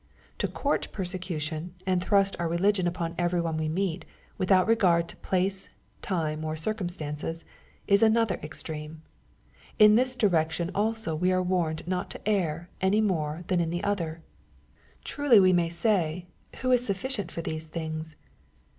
— To court persecution, and thrust our religion upon every one we meet, without regard to place, time, or circumstances, is another extreme. In this direction also wo are warned not to err any more than in the 100 2XP0SIT0RY THOUGHTS. other. — ^Tnily we may say, " who is sufficient for these things